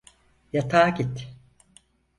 Yatağa git.